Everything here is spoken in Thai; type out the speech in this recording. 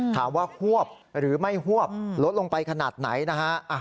ฮวบหรือไม่ฮวบลดลงไปขนาดไหนนะฮะ